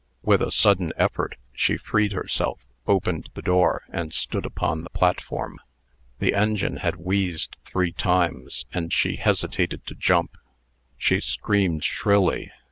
With a sudden effort, she freed herself, opened the door, and stood upon the platform. The engine had wheezed three times, and she hesitated to jump. She screamed shrilly.